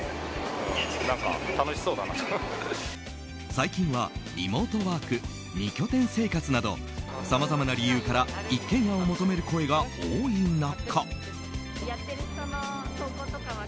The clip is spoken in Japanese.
最近はリモートワーク、２拠点生活などさまざまな理由から一軒家を求める声が多い中。